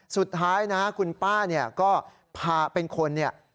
สุดท้ายนะคุณป้าเนี่ยก็พาเป็นคนเนี่ย